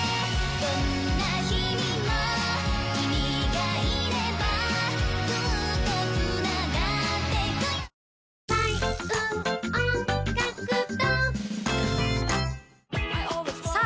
どんな日々も君がいればずっと繋がってゆくよさあ